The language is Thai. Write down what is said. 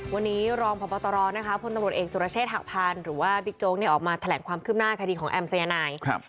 วันนี้รองพตพตเองสุรเชษฐหักพันธุ์หรือว่าบิ๊กโจ๊กเนี่ยออกมาแถลงความคืบหน้าคดีของแอมป์สัญญาณายน์